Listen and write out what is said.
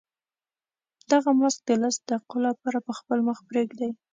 دغه ماسک د لسو دقیقو لپاره په خپل مخ پرېږدئ.